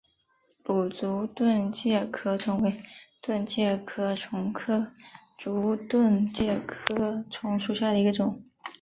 芦竹盾介壳虫为盾介壳虫科竹盾介壳虫属下的一个种。